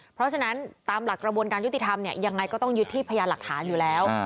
เพราะฉะนั้นตามหลักกระบวนการยุติธรรมเนี่ยยังไงก็ต้องยึดที่พยานหลักฐานอยู่แล้ว